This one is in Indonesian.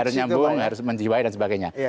harus nyambung harus menjiwai dan sebagainya